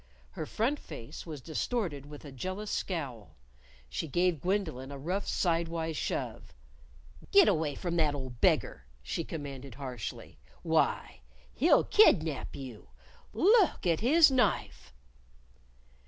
Her front face was distorted with a jealous scowl. She gave Gwendolyn a rough sidewise shove. "Git away from that old beggar!" she commanded harshly. "Why, he'll kidnap you! Look at his knife!"